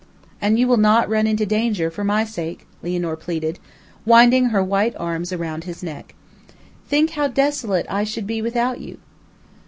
"And you will not run into danger, for my sake?" Lianor pleaded, winding her white arms round his neck. "Think how desolate I should be without you!"